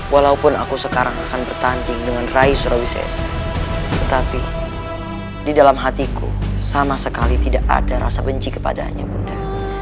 walaupun aku sekarang akan bertanding dengan rai surawises tetapi di dalam hatiku sama sekali tidak ada rasa benci kepadanya bunda